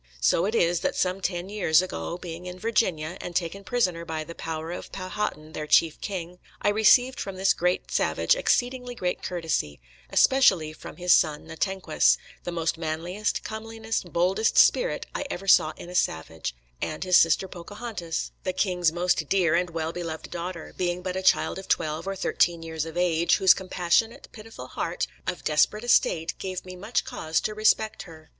So it is that some ten years ago, being in Virginia, and taken prisoner by the power of Powhatan, their chief king, I received from this great savage exceeding great courtesy, especially from his son Nantequas, the most manliest, comeliest, boldest spirit I ever saw in a savage, and his sister Pocahontas, the king's most dear and well beloved daughter, being but a child of twelve or thirteen years of age, whose compassionate, pitiful heart, of desperate estate, gave me much cause to respect her.